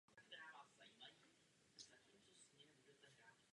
Stal se profesorem klavíru a nauky o hudebních nástrojích na Pražské konzervatoři.